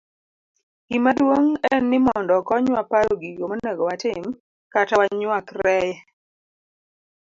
Gimaduong' en ni mondo okonywa paro gigo monego watim kata wanyuakreye